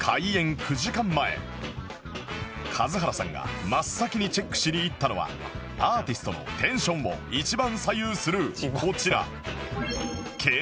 數原さんが真っ先にチェックしに行ったのはアーティストのテンションを一番左右するこちら